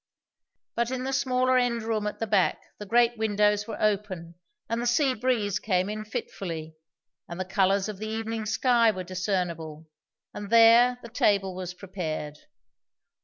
But in the smaller end room at the back the great windows were open, and the sea breeze came in fitfully, and the colours of the evening sky were discernible, and there the table was prepared.